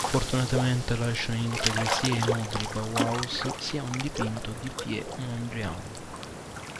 Fortunatamente lasciano integri sia i mobili Bauhaus, sia un dipinto di Piet Mondrian.